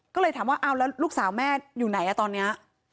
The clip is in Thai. ก็เลยถามว่าเอาแล้วลูกสาวแม่อยู่ไหนตอนนี้